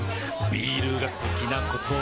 ビールが好きなことあぁーっ！